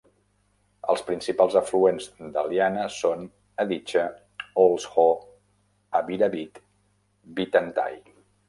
Els principals afluents del Yana són: Adycha, Oldzho, Abyrabyt, Bytantay.